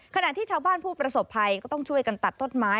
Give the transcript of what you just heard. ขณะที่ชาวบ้านผู้ประสบภัยก็ต้องช่วยกันตัดต้นไม้